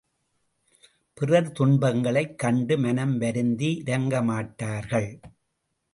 பிறர் துன்பங்களைக் கண்டு மனம் வருந்தி இரங்கமாட்டார்கள்!